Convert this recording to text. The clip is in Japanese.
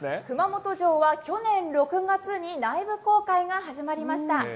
熊本城は去年６月に内部公開が始まりました。